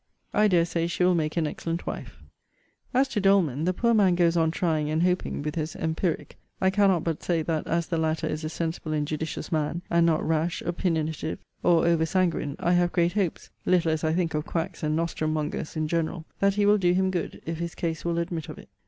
] I dare say she will make an excellent wife. As to Doleman, the poor man goes on trying and hoping with his empiric. I cannot but say that as the latter is a sensible and judicious man, and not rash, opinionative, or over sanguine, I have great hopes (little as I think of quacks and nostrum mongers in general) that he will do him good, if his case will admit of it.